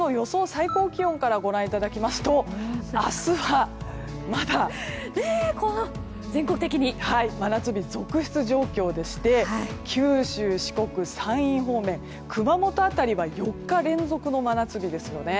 最高気温からご覧いただきますと明日はまだ真夏日続出状態でして九州、四国、山陰方面熊本辺りは４日連続の真夏日ですね。